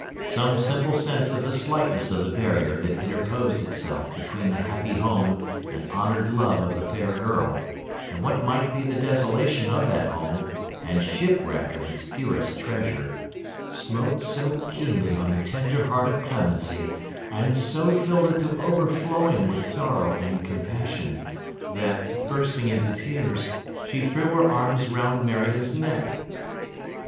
Some simple sense of the slightness of the barrier that interposed itself between the happy home and honoured love of the fair girl, and what might be the desolation of that home, and shipwreck of its dearest treasure, smote so keenly on the tender heart of Clemency, and so filled it to overflowing with sorrow and compassion, that, bursting into tears, she threw her arms round Marion's neck.